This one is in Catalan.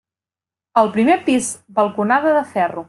Al primer pis balconada de ferro.